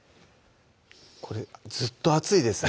これずっと熱いですね